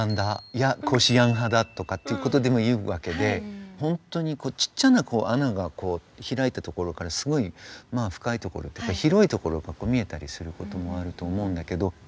「いやこしあん派だ」とかっていうことでもいいわけで本当にちっちゃな穴が開いた所からすごいまあ深い所とか広い所が見えたりすることもあると思うんだけど。